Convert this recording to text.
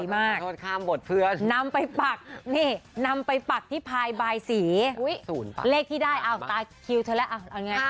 วัยมากนำไปปักนี่นำไปปักที่พายบายสีเลขที่ได้อ้าวตายคิวเธอแล้วอันไง